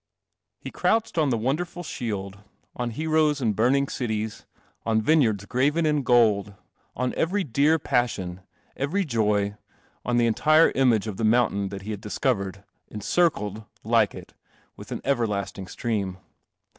He crouched on the w nderful shield, on heroes and burning . on vinevards graven in gold, on every :i, e\ i v, on the entire image of the M untain that he had disc I, encircled, e it, with an everlasting stream.